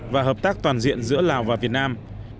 và hợp tác toàn diện giữa lào và việt nam